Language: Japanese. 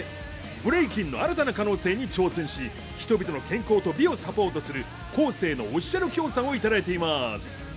ブレイキンの新たな可能性に挑戦し人々の健康と美をサポートするコーセーのオフィシャル協賛をいただいています。